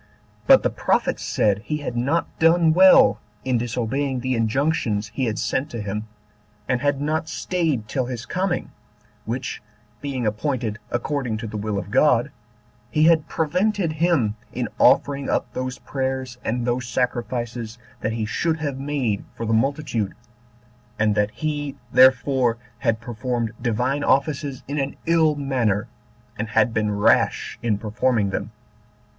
But the prophet said he had not done well in disobeying the injunctions he had sent to him, and had not staid till his coming, which being appointed according to the will of God, he had prevented him in offering up those prayers and those sacrifices that he should have made for the multitude, and that he therefore had performed Divine offices in an ill manner, and had been rash in performing them.